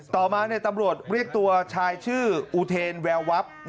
ต่อมาตำรวจเรียกตัวชายชื่ออูเทนแววับ